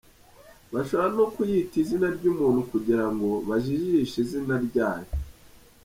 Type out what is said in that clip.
Bashobora no kuyita izina ry’umuntu kugira ngo bajijishe izina ryayo.